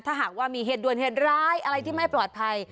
ถ้าหากว่ามีเหตุด่วนเหตุร้ายอะไรที่ไม่ปลอดภัย